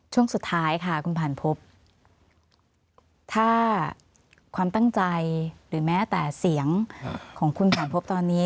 ช่วงสุดท้ายค่ะคุณผ่านพบถ้าความตั้งใจหรือแม้แต่เสียงของคุณผ่านพบตอนนี้